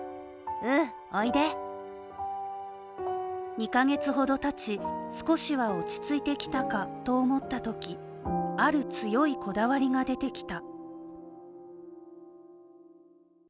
２か月ほどたち、少しは落ち着いてきたかと思ったときある強いこだわりが出てきた。